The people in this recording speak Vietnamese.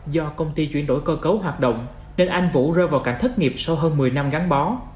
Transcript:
do công ty chuyển đổi cơ cấu hoạt động nên anh vũ rơi vào cảnh thất nghiệp sau hơn một mươi năm gắn bó